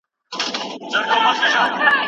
چې تا زما د ژوند شېبو ته ورکړل